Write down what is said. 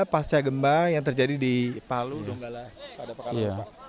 pasca gempa yang terjadi di palu donggala pada pekan lalu pak